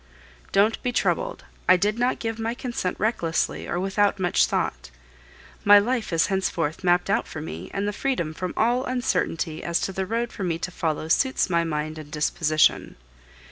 Don't be troubled; I did not give my consent recklessly or without much thought. My life is henceforth mapped out for me, and the freedom from all uncertainty as to the road for me to follow suits my mind and disposition.